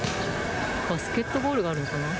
バスケットボールがあるのかな。